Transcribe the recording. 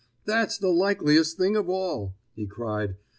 "That's the likeliest thing of all!" he cried.